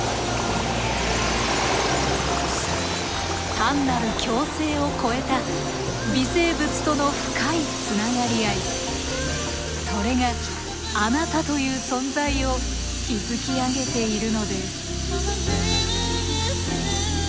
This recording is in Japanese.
単なる共生を超えた微生物との深いつながり合いそれがあなたという存在を築き上げているのです。